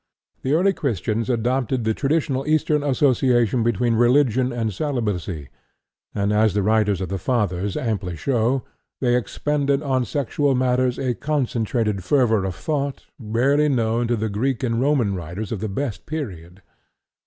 The early Christians adopted the traditional Eastern association between religion and celibacy, and, as the writings of the Fathers amply show, they expended on sexual matters a concentrated fervor of thought rarely known to the Greek and Roman writers of the best period.